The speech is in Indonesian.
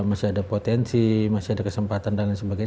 masih ada potensi masih ada kesempatan dan lain sebagainya